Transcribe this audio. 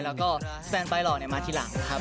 แล้วก็แฟนไฟหล่อมาทีหลังครับ